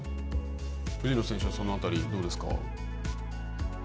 藤野選手はそのあたりはどうですか。